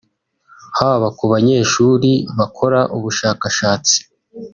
haba ku banyeshuri bakora ubushakashatsi